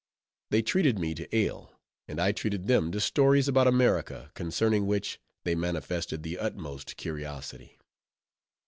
They treated me to ale; and I treated them to stories about America, concerning which, they manifested the utmost curiosity.